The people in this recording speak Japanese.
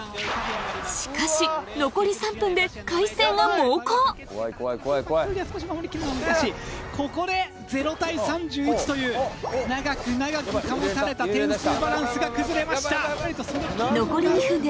しかし残り３分で開成が猛攻ここで０対３１という長く長く保たれた点数バランスが崩れました！